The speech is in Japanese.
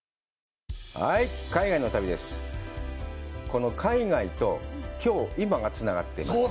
この海外と、きょう、今がつながっています。